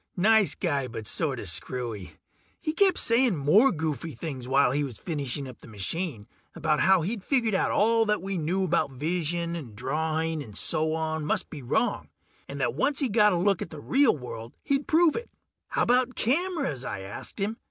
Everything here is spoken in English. Nice guy, but sorta screwy. He kept saying more goofy things while he was finishing up the machine, about how he'd figured out that all we knew about vision and drawing and so on must be wrong, and that once he got a look at the real world he'd prove it. "How about cameras?" I asked him.